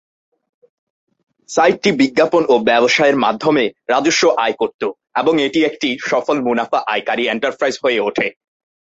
সাইটটি বিজ্ঞাপন ও ব্যবসায়ের মাধ্যমে রাজস্ব আয় করতো, এবং এটি একটি সফল মুনাফা আয়কারী এন্টারপ্রাইজ হয়ে ওঠে।